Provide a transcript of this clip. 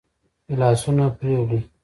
ګيلاسونه پرېولي.